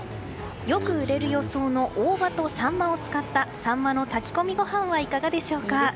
よく売れる予想の大葉とサンマを使ったサンマの炊き込みご飯はいかがでしょうか。